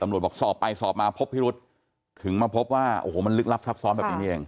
บอกสอบไปสอบมาพบพิรุษถึงมาพบว่าโอ้โหมันลึกลับซับซ้อนแบบนี้นี่เอง